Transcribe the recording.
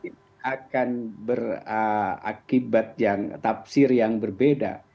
ini akan berakibat yang tafsir yang berbeda